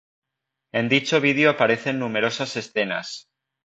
En dicho video aparecen numerosas escenas.